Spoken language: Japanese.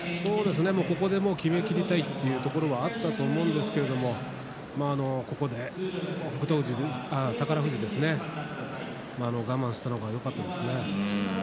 ここできめきりたいというところはあったと思うんですけれど宝富士、我慢したのがよかったですね。